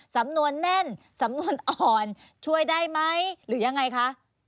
สำนวนแน่นสำนวนอ่อนช่วยได้ไหมหรือยังไงคะ